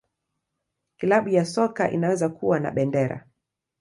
Klabu ya soka inaweza kuwa na bendera.